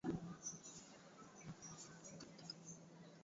Mkakati wowote wa kitaifa lazima ukubalike na wadau